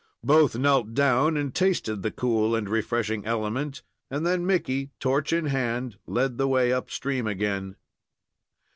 Both knelt down and tasted the cool and refreshing element, and then Mickey, torch in hand, led the way up stream again.